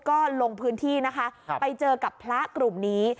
ก็ลงพื้นที่นะคะไปเจอกับพระกลุ่มนี้